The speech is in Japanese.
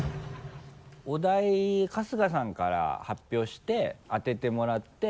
お題春日さんから発表して当ててもらって。